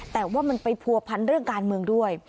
แต่ว่ามันไปผัวพันเรื่องการเมืองด้วย